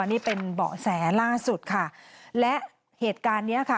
นี่เป็นเบาะแสล่าสุดค่ะและเหตุการณ์เนี้ยค่ะ